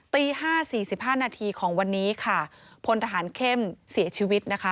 ตี๕๔๕นาทีของวันนี้พลทหารเข้มเสียชีวิต